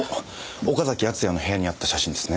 岡崎敦也の部屋にあった写真ですね。